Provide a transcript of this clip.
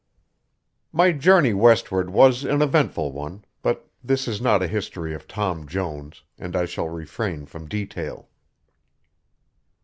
My journey westward was an eventful one; but this is not a "History of Tom Jones," and I shall refrain from detail.